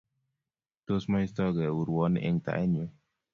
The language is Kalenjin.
Tos moistokei urwoni eng tainyu?